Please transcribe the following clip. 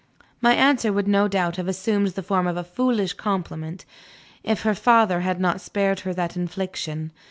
My answer would no doubt have assumed the form of a foolish compliment, if her father had not spared her that infliction.